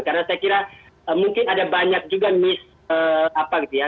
karena saya kira mungkin ada banyak juga miss apa gitu ya